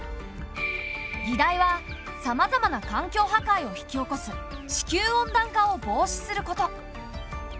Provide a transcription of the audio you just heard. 議題はさまざまな環境破壊を引き起こす地球温暖化を防止すること。